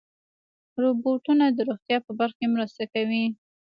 روبوټونه د روغتیا په برخه کې مرسته کوي.